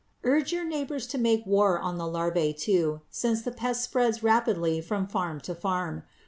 Urge your neighbors to make war on the larvæ, too, since the pest spreads rapidly from farm to farm.